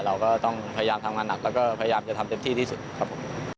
เราก็ต้องพยายามทำงานหนักแล้วก็พยายามจะทำเต็มที่ที่สุดครับผม